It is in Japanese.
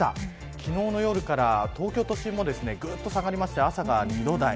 昨日の夜から東京都心もぐっと下がりまして朝が２度台。